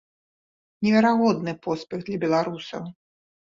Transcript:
Неверагодны поспех для беларусаў.